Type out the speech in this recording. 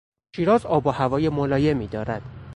شیراز آب و هوای ملایمی دارد.